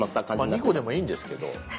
まあ２個でもいいんですけど。